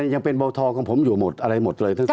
ยังเป็นเบาทองของผมอยู่หมดอะไรหมดเลย